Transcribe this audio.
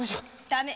ダメ。